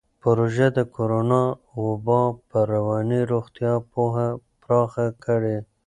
پروژه د کورونا وبا پر رواني روغتیا پوهه پراخه کړې.